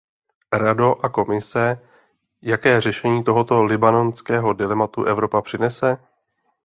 Rado a Komise, jaké řešení tohoto libanonského dilematu Evropa přinese?